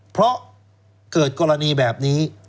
เพราะเกิดกรณีแบบนี้